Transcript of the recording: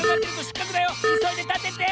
いそいでたてて！